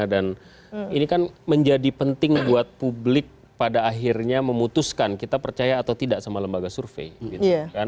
dan ini kan menjadi penting buat publik pada akhirnya memutuskan kita percaya atau tidak sama lembaga survei